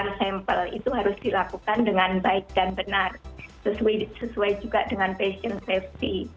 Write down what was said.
yang sampel itu harus dilakukan dengan baik dan benar sesuai juga dengan passion safety